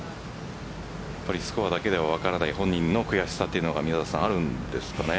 スコアだけでは分からない本人の悔しさというのがあるんですかね。